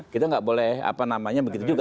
kita nggak boleh apa namanya begitu juga